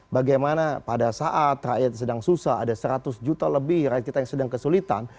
bagaimana pada saat rakyat sedang susah ada seratus juta lebih rakyat kita yang sedang kesulitan